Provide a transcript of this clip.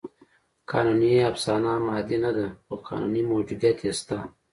قانوني افسانه مادي نهده؛ خو قانوني موجودیت یې شته.